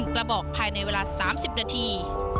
กระบอกภายในเวลา๓๐นาที